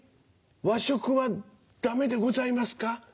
和食はダメでございますか？